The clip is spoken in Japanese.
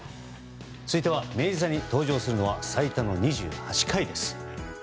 続いては、明治座に登場するのは最多の２８回です。